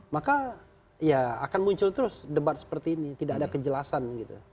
maka ya akan muncul terus debat seperti ini tidak ada kejelasan gitu